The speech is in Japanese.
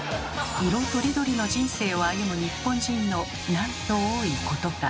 色とりどりの人生を歩む日本人のなんと多いことか。